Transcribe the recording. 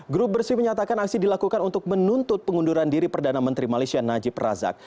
grup bersih menyatakan aksi dilakukan untuk menuntut pengunduran diri perdana menteri malaysia najib razak